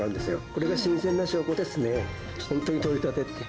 これが新鮮な証拠ですね。